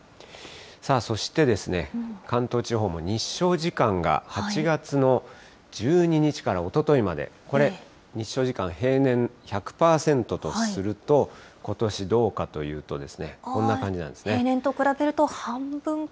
さあ、そして、関東地方も日照時間が８月の１２日からおとといまで、これ、日照時間、平年１００％とすると、ことしどうかというと、こんな感じ平年と比べると、半分か。